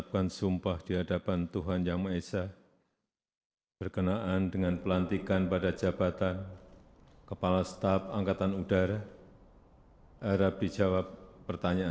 raya kebangsaan indonesia raya